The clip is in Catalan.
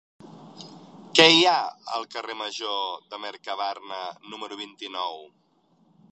Què hi ha al carrer Major de Mercabarna número vint-i-nou?